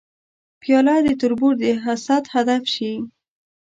پیاله د تربور د حسد هدف شي.